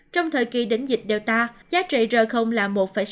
trong thời kỳ đỉnh dịch delta giá trị rời không là một sáu mươi chín